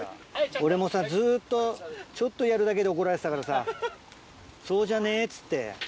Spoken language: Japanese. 俺もさ、ずっと、ちょっとやるだけで怒られてたからさ、そうじゃねえって言って。